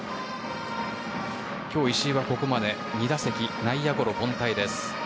今日、石井はここまで２打席内野ゴロ凡退です。